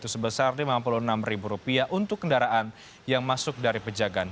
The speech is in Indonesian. sebesar lima puluh enam ribu rupiah untuk kendaraan yang masuk dari pejagaan